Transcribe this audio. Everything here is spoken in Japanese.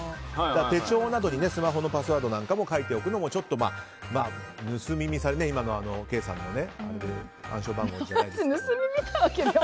手帳などにスマホのパスワードなんかを書いておくのも盗み見されたりとか今のケイさんの暗証番号じゃないですけど。